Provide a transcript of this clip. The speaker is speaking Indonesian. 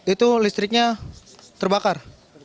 itu listriknya terbakar